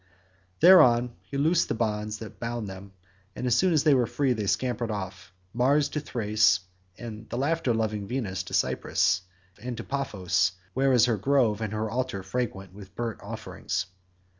Thereon he loosed the bonds that bound them, and as soon as they were free they scampered off, Mars to Thrace and laughter loving Venus to Cyprus and to Paphos, where is her grove and her altar fragrant with burnt offerings.